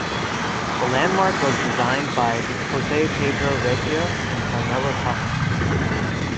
The landmark was designed by Jose Pedro Recio and Carmelo Casas.